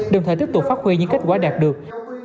đồng thời tiếp tục phát huy những kết quả đạt được